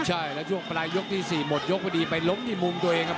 ใช่แล้วช่วงปลายยกที่๔หมดยกพอดีไปล้มที่มุมตัวเองครับ